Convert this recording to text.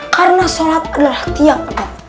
karena sholat adalah tiang